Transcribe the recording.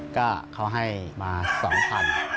ก็เขาให้มา๒๐๐บาท